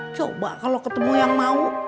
coba kalau ketemu yang mau